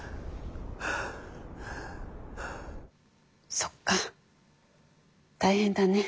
そっか大変だね。